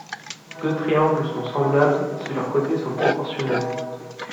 Deux triangles sont semblables si leurs côtés sont proportionnels.